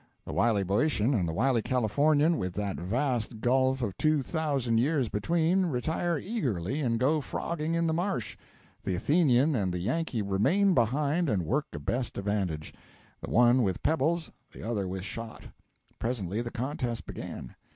The wily Boeotian and the wily Californian, with that vast gulf of two thousand years between, retire eagerly and go frogging in the marsh; the Athenian and the Yankee remain behind and work a best advantage, the one with pebbles, the other with shot. Presently the contest began.